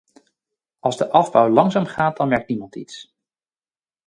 Als de afbouw langzaam gaat dan merkt niemand iets.